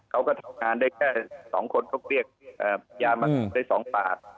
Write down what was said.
เขาก็ทำงานได้แค่สองคนเขาเรียกบริญญาณมันได้สองฝาก